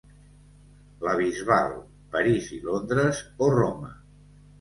La Bisbal, París i Londres o Roma.